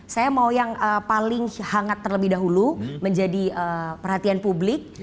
saya mau yang paling hangat terlebih dahulu menjadi perhatian publik